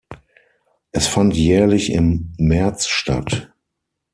Es fand jährlich im März statt.